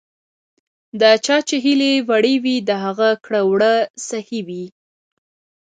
د چا چې هیلې وړې وي، د هغه کړه ـ وړه صحیح وي .